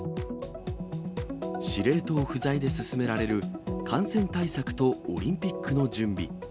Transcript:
司令塔不在で進められる感染対策とオリンピックの準備。